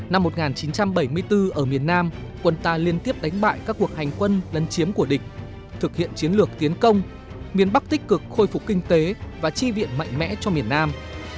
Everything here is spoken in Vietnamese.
năm một nghìn chín trăm bảy mươi bốn ở miền nam quân ta liên tiếp đánh bại các cuộc hành quân lân chiếm của địch thực hiện chiến lược tiến công miền bắc tích cực khôi phục kinh tế và chi viện mạnh mẽ cho miền nam